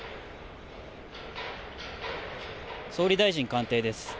総理大臣官邸です。